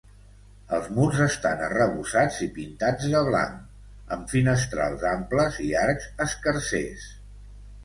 Els murs estan arrebossats i pintats de blanc, amb finestrals amples i arcs escarsers.